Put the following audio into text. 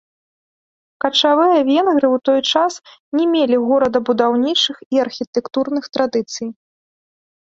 Качавыя венгры ў той час не мелі горадабудаўнічых і архітэктурных традыцый.